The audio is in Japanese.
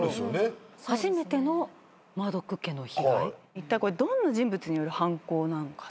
いったいこれはどんな人物による犯行なのか？